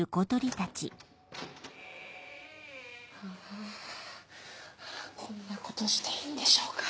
ハァこんなことしていいんでしょうか？